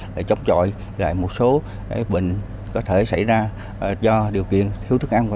để chống chọi lại một số bệnh